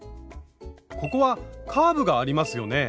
ここはカーブがありますよね？